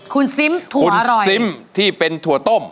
คุณซิมถั่วคุณรอยซิมที่เป็นถั่วต้ม